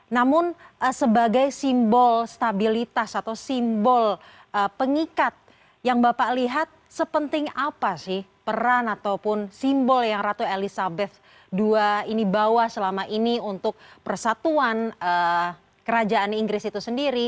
namun sebagai simbol stabilitas atau simbol pengikat yang bapak lihat sepenting apa sih peran ataupun simbol yang ratu elizabeth ii ini bawa selama ini untuk persatuan kerajaan inggris itu sendiri